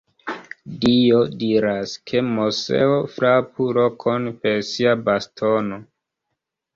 Dio diras, ke Moseo frapu rokon per sia bastono.